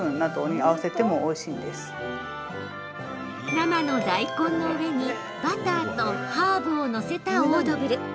生の大根の上にバターとハーブを載せたオードブル。